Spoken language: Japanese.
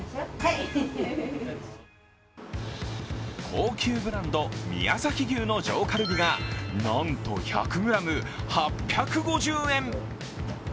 高級ブランド、宮崎牛の上カルビがなんと１００ｇ８５０円。